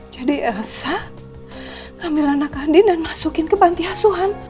jadi elsa ngambil anaknya andin dan masukin ke panti asuhan